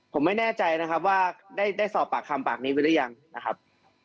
ผมไม่แน่ใจนะครับว่าได้สอบปากคำปากนี้ไว้หรือยังนะครับ